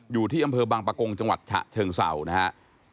อยู่ที่อำเภอบางประกงจังหวัดฉะเชิงเศร้านะครับ